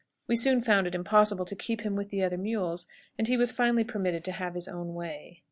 We soon found it impossible to keep him with the other mules, and he was finally permitted to have his own way.